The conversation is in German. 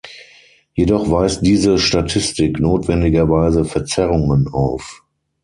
Jedoch weist diese Statistik notwendigerweise Verzerrungen auf.